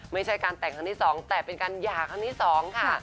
ไม่ใช่การแต่งครั้งที่๒แต่เป็นการหย่าครั้งที่๒ค่ะ